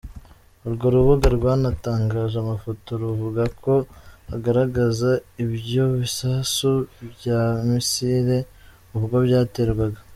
Urwo rubuga rwanatangaje amafoto ruvuga ko agaragaza ibyo bisasu bya misile ubwo byaterwaga.